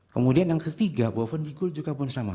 kemudian yang ketiga boven di good juga pun sama